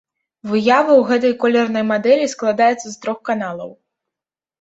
Выява ў гэтай колернай мадэлі складаецца з трох каналаў.